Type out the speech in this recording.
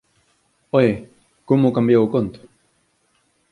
Oe, como cambiou o conto